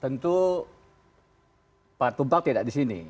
tentu pak tubak tidak di sini